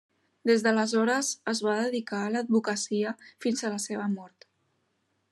Des d'aleshores es va dedicar a l'advocacia fins a la seva mort.